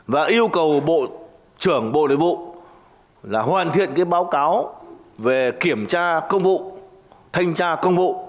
và yêu cầu bộ trưởng bộ nội vụ là hoàn thiện báo cáo về kiểm tra công vụ thanh tra công vụ